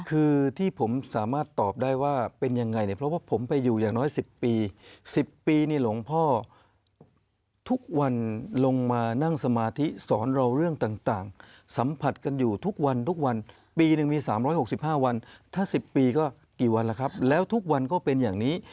คือที่ผมสามารถตอบได้ว่าเป็นยังไงเนี่ยเพราะว่าผมไปอยู่อย่างน้อย๑๐ปี๑๐ปีนี่หลวงพ่อทุกวันลงมานั่งสมาธิสอนเราเรื่องต่างสัมผัสกันอยู่ทุกวันทุกวันปีหนึ่งมี๓๖๕วันถ้า๑๐ปีก็กี่วันแล้วครับแล้วทุกวันก็เป็นอย่างนี้